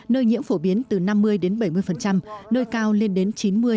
nơi nhiễm phổ biến từ năm mươi bảy mươi nơi cao lên đến chín mươi một trăm linh